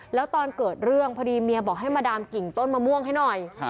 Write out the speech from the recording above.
แล้วตอนเกิดเรื่องพอดีเมียบอกให้มาดามกิ่งต้นมะม่วงให้หน่อย